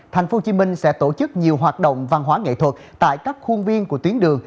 tp hcm sẽ tổ chức nhiều hoạt động văn hóa nghệ thuật tại các khuôn viên của tuyến đường